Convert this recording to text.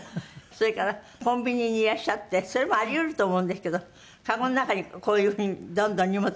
それからコンビニにいらっしゃってそれもあり得ると思うんですけどかごの中にこういう風にどんどん荷物